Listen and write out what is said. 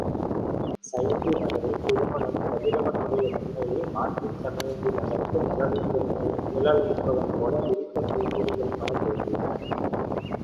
சயந்தி நகரில் திருமணம் கதிரவனுடைய வெம்மையை ஆற்றிச் சயந்தி நகருக்கு நிழலளிப்பவன்போல விரித்த பூங்கொடிகள் பல தோன்றின.